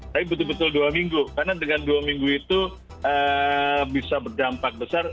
tapi betul betul dua minggu karena dengan dua minggu itu bisa berdampak besar